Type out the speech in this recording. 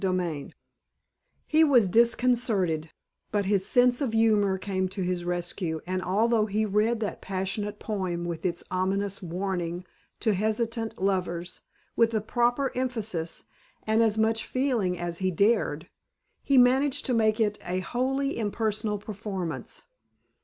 XII He was disconcerted, but his sense of humor come to his rescue, and although he read that passionate poem with its ominous warning to hesitant lovers, with the proper emphasis and as much feeling as he dared, he managed to make it a wholly impersonal performance.